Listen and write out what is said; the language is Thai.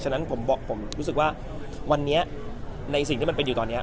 ฉะนั้นผมรู้สึกว่าวันนี้ในสิ่งที่มันเป็นอยู่ตอนนี้